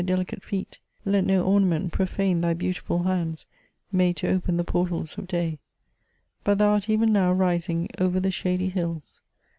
I K 130 MEMOIRS OF delicate feet ; let no ornament profane thy beautiful hands, made to open the portals of day. But thou art even now rising oyer the shady hills.